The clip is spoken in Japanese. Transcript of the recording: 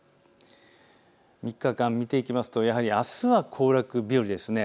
３日間見ていきますとやはりあすは行楽日和ですね。